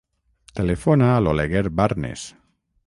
Telefona a l'Oleguer Barnes.